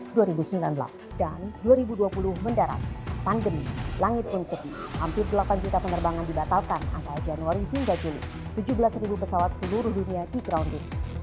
dan dua ribu dua puluh mendarat pandemi langit pun sedih hampir delapan juta penerbangan dibatalkan antara januari hingga juli tujuh belas ribu pesawat seluruh dunia di grounded